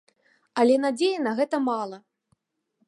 Але надзеі на гэта мала!